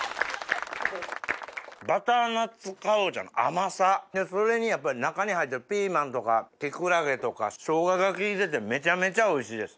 バターナッツかぼちゃの甘さでそれに中に入ってるピーマンとかキクラゲとかショウガが効いててめちゃめちゃおいしいです。